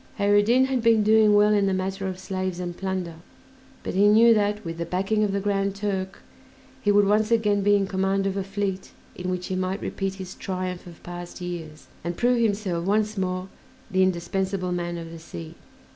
Kheyr ed Din had been doing well in the matter of slaves and plunder, but he knew that, with the backing of the Grand Turk, he would once again be in command of a fleet in which he might repeat his triumph of past years, and prove himself once more the indispensable "man of the sea."